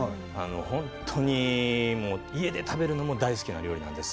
本当に家で食べるのも大好きな料理です。